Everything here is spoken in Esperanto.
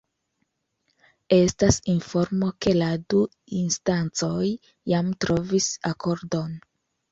Estas informo, ke la du instancoj jam trovis akordon.